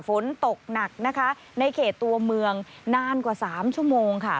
ฝนตกหนักนะคะในเขตตัวเมืองนานกว่า๓ชั่วโมงค่ะ